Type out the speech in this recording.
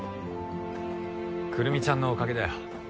くるみちゃんのおかげだよ。